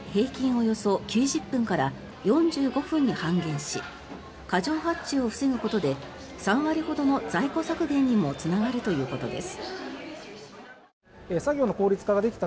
およそ９０分から４５分に半減し過剰発注を防ぐことで３割ほどの在庫削減にもつながるということです。